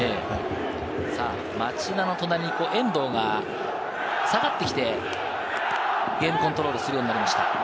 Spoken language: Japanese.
町田の隣に遠藤が下がってきて、ゲームコントロールするようになりました。